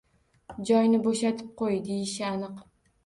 «Joyni bo’shatib qo’y», deyishi aniq